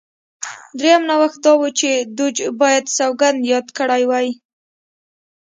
درېیم نوښت دا و چې دوج باید سوګند یاد کړی وای